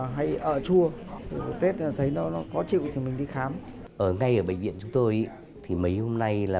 hay ở chua tết thấy nó có chịu thì mình đi khám ở ngay ở bệnh viện chúng tôi thì mấy hôm nay là